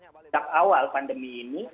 dari awal pandemi ini